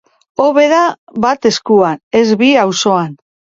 Hobe da bat eskuan, ez bi auzoan.